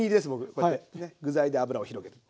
こうやって具材で油を広げる。